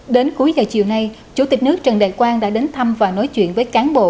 đến cuối giờ chiều nay chủ tịch nước trần đại quang đã đến thăm và nói chuyện với cán bộ